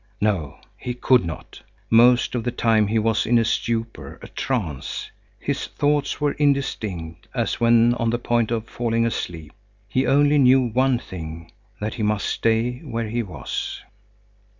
No, he could not. Most of the time he was in a stupor, a trance. His thoughts were indistinct, as when on the point of falling asleep. He only knew one thing, that he must stay where he was.